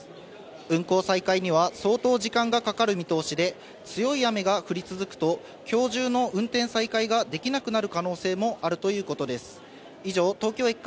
運行再開には、相当時間がかかる見通しで、強い雨が降り続くと、きょう中の運転再開ができなくなる可能性もあるということです。